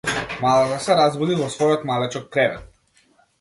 Малата се разбуди во својот малечок кревет.